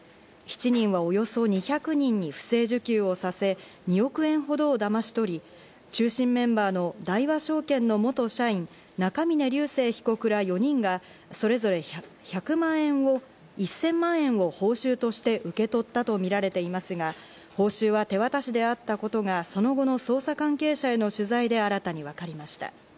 ７人は、およそ２００人に不正受給をさせ、２億円ほどをだまし取り、中心メンバーの大和証券の元社員・中峯竜晟被告ら４人が、それぞれ１０００万円を報酬として受け取ったとみられていますが、報酬は手渡しであったことが、その後の捜査関係者への取材で新たに分かりました。